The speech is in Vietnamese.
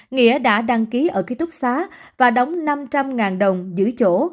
nghĩa đã đăng ký ở ký túc xá và đóng năm trăm linh đồng giữ chỗ